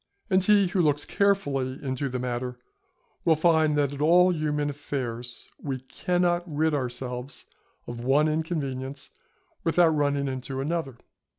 And he who looks carefully into the matter will find, that in all human affairs, we cannot rid ourselves of one inconvenience without running into another.